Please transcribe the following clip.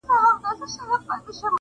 ما درکړي تا ته سترګي چي مي ووینې پخپله.!